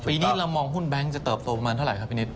ปีนี้เรามองหุ้นแบงค์จะเติบโตประมาณเท่าไหร่ครับพี่นิด